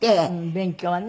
勉強はね。